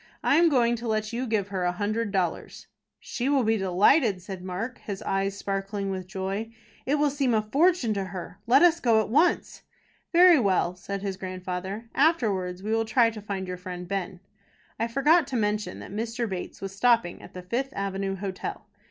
"I am going to let you give her a hundred dollars." "She will be delighted," said Mark, his eyes sparkling with joy. "It will seem a fortune to her. Let us go at once." "Very well," said his grandfather. "Afterwards we will try to find your friend Ben." I forgot to mention that Mr. Bates was stopping at the Fifth Avenue Hotel.